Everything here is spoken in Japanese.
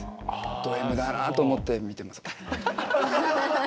ドＭだなと思って見てます。